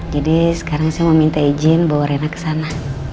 jadi sekarang saya mau minta izin bawa reina ke sana